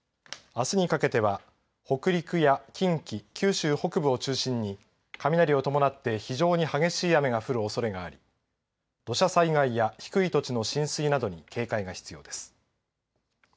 あすにかけては北陸や近畿九州北部を中心に雷を伴って非常に激しい雨が降るおそれがあり土砂災害や低い土地の浸水などに警戒が必要です。